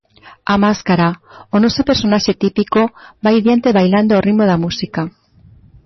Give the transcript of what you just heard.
A máscara, o noso personaxe típico, vai diante bailando ao ritmo da música.